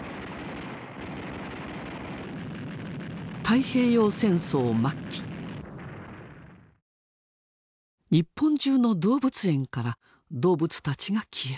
太平洋戦争末期日本中の動物園から動物たちが消えた。